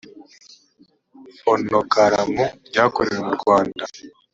fonogaramu ryakorewe mu rwanda